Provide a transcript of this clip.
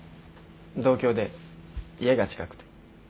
同郷で家が近くて。